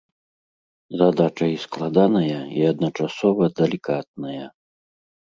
Задача і складаная, і адначасова далікатная.